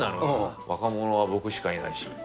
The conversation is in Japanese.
若者は僕しかいないし。